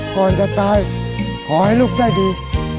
ก่อนจะตายขอให้ลูกได้ดี